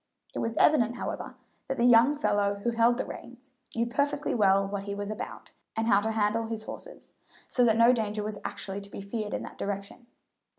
It was evident, however, that the young fellow who held the reins knew perfectly well what he was about, and how to handle his horses, so that no danger was actually to be feared in that direction.